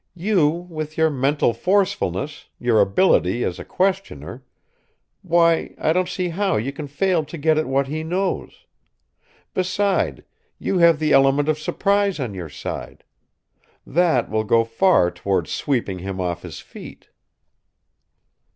"You, with your mental forcefulness, your ability as a questioner why, I don't see how you can fail to get at what he knows. Beside, you have the element of surprise on your side. That will go far toward sweeping him off his feet."